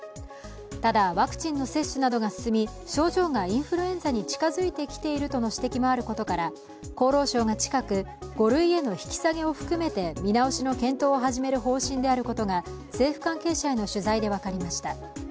ただ、ワクチンの接種などが進み症状がインフルエンザに近づいてきているとの指摘があることから厚労省が近く、５類への引き下げを含めて見直しの検討を始める方針であることが政府関係者への取材で分かりました。